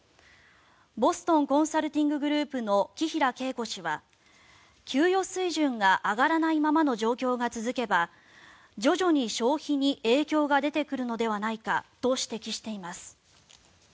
ボストン・コンサルティング・グループの紀平啓子氏は給与水準が上がらないままの状況が続けば徐々に消費に影響が出てくるのではないかと指摘しています。